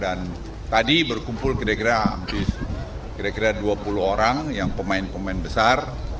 dan tadi berkumpul kira kira dua puluh orang yang pemain pemain besar